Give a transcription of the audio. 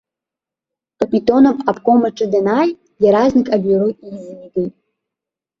Капитонов обком аҿы данааи, иаразнак абиуро еизигеит.